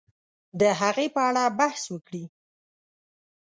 د هغې په اړه بحث وکړي